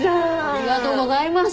ありがとうございます。